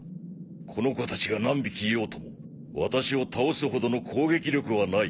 この子たちが何匹いようともワタシを倒すほどの攻撃力はない。